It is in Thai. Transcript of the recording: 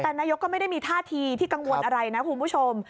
แต่นายกก็ไม่ได้มีท่าทีที่กังวลอะไรนะคุณผู้ชม